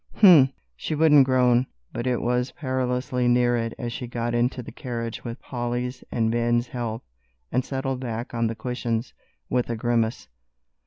"Um!" She wouldn't groan, but it was perilously near it as she got into the carriage with Polly's and Ben's help and settled back on the cushions with a grimace.